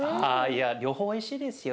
両方おいしいですよ。